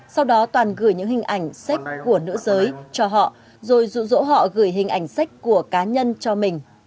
sau đó toàn gửi những hình ảnh sách của nữ giới cho họ rồi rụ rỗ họ gửi hình ảnh sách của cá nhân cho mình